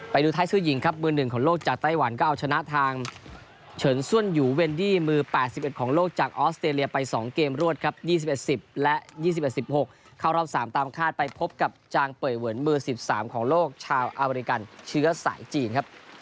ไปดูไทซ่ื่อหญิงครับมือหนึ่งของโลกจากไต้หวันก็เอาชนะทาง